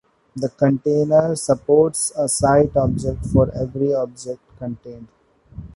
A container supports a site object for every object contained.